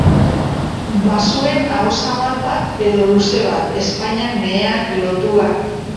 Bazuen aho zabal bat edo luze bat, ezpainak meheak, lotuak.